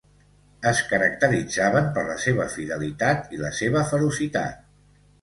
Es caracteritzaven per la seva fidelitat i la seva ferocitat.